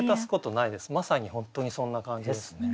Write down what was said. まさに本当にそんな感じですね。